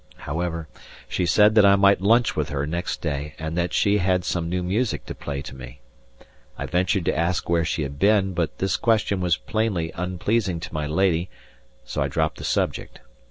However, she said that I might lunch with her next day, and that she had some new music to play to me. I ventured to ask where she had been, but this question was plainly unpleasing to my lady, so I dropped the subject.